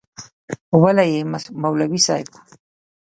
وله یی مولوی صیب